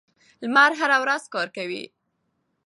لمر هره ورځ کار کوي.